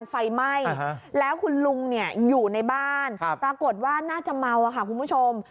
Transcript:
ไฟไหม้แล้วคุณลุงอยู่ในบ้านปรากฏว่าน่าจะเมาค่ะคุณผู้ชม